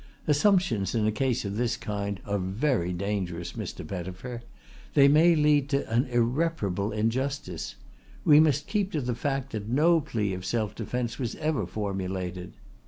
Assumptions in a case of this kind are very dangerous, Mr. Pettifer. They may lead to an irreparable injustice. We must keep to the fact that no plea of self defence was ever formulated.